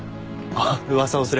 あっ噂をすれば。